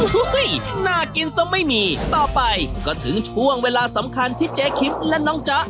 น่ากินซะไม่มีต่อไปก็ถึงช่วงเวลาสำคัญที่เจ๊คิมและน้องจ๊ะ